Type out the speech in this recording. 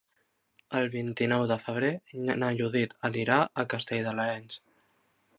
El vint-i-nou de febrer na Judit anirà a Castell de l'Areny.